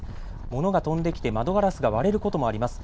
物が飛んできて窓ガラスが割れることもあります。